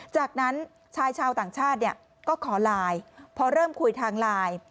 จากนั้นชายชาวต่างชาติเนี่ยก็ขอไลน์พอเริ่มคุยทางไลน์